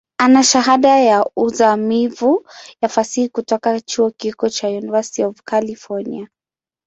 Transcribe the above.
Ana Shahada ya uzamivu ya Fasihi kutoka chuo kikuu cha University of California.